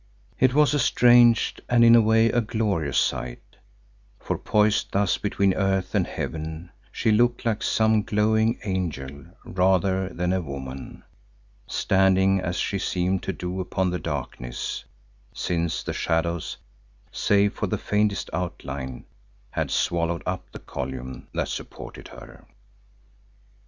It was a strange and in a way a glorious sight, for poised thus between earth and heaven, she looked like some glowing angel rather than a woman, standing as she seemed to do upon the darkness; since the shadows, save for the faintest outline, had swallowed up the column that supported her.